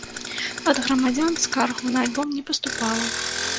Ад грамадзян скаргаў на альбом не паступала.